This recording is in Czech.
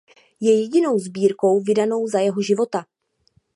Je jedinou sbírkou vydanou za jeho života.